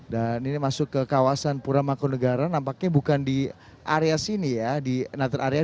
dan ini masuk ke kawasan puramakunegara nampaknya bukan di area sini ya di nantar area